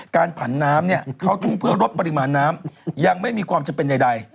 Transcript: ผันน้ำเนี่ยเข้าทุ่งเพื่อลดปริมาณน้ำยังไม่มีความจำเป็นใด